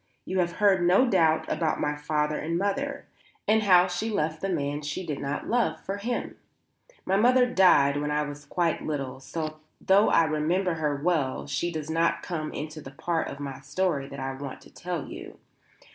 You have heard no doubt about my father and mother, and how she left the man she did not love for him. My mother died when I was quite little; so, though I remember her well she does not come into the part of my story that I want to tell you.